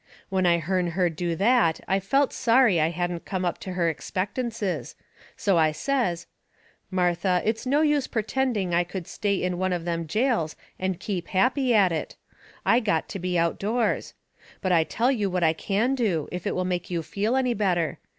When I hearn her do that I felt sorry I hadn't come up to her expectances. So I says: "Martha, it's no use pertending I could stay in one of them jails and keep happy at it. I got to be outdoors. But I tell you what I can do, if it will make you feel any better.